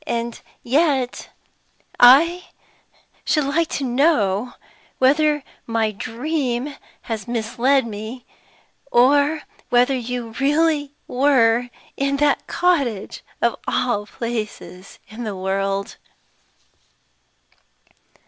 And yet, I should like to know whether my dream has misled me, or whether you really were in that cottage, of all places in the world?"